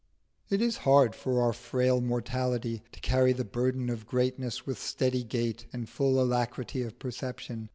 It is hard for our frail mortality to carry the burthen of greatness with steady gait and full alacrity of perception.